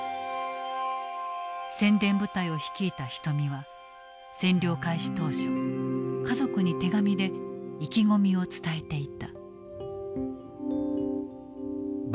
宣伝部隊を率いた人見は占領開始当初家族に手紙で意気込みを伝えていた。